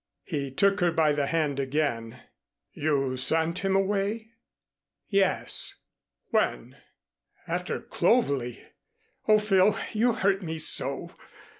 He took her by the hand again. "You sent him away?" "Yes." "When?" "After 'Clovelly.' Oh, Phil, you hurt me so.